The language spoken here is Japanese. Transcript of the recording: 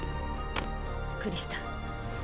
クリスタ。